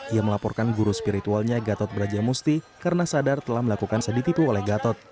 ia melaporkan guru spiritualnya gatot brajamusti karena sadar telah melakukan saditipu oleh gatot